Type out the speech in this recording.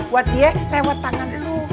buat dia lewat tangan lu